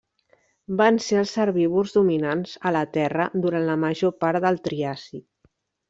Van ser els herbívors dominants a la Terra durant la major part del Triàsic.